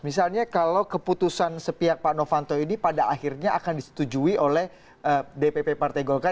misalnya kalau keputusan sepihak pak novanto ini pada akhirnya akan disetujui oleh dpp partai golkar